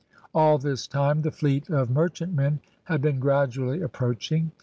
All this time the fleet of merchantmen had been gradually approaching.